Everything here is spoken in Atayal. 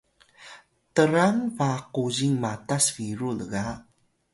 trang ba kuzing matas biru lga